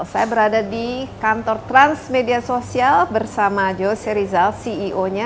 saya berada di kantor transmedia sosial bersama jose rizal ceo nya